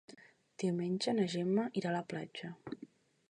Diumenge na Gemma irà a la platja.